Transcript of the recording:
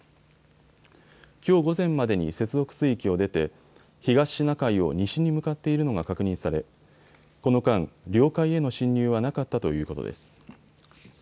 きょう午前までに接続水域を出て東シナ海を西に向かっているのが確認されこの間、領海への侵入はなかったということです。